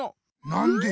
なんで？